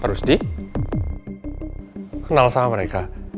pak rusdi kenal sama mereka